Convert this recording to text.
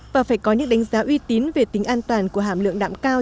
và phải có những đánh giá uy tín về tính an toàn của hàm lượng đạm cao